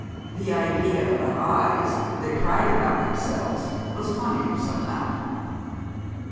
The idea of eyes that cried about themselves was funny, somehow.